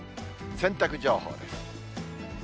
洗濯情報です。